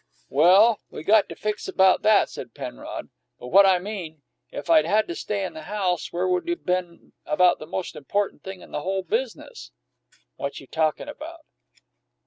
"Well, we got to fix about that," said Penrod. "But what I mean if I'd had to stay in the house, where would we been about the most important thing in the whole biz'nuss?" "What you talkin' about?"